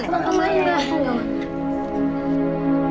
mama ya enggak mau